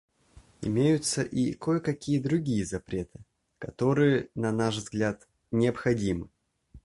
Имеются и кое-какие другие запреты, которые, на наш взгляд, необходимы.